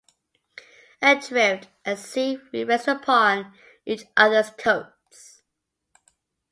Adrift at sea, we rest upon each other’s coats.